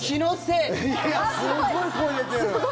いや、すごい声出てる！